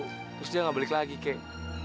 terus dia nggak balik lagi kek